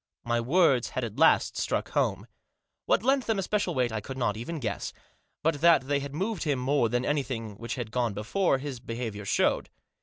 My words had at last struck home. What lent them especial weight I could not even guess. But that they had moved him more than anything which had gone before his behaviour showed.